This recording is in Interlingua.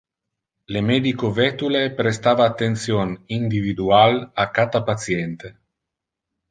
Le medico vetule prestava attention individual a cata patiente.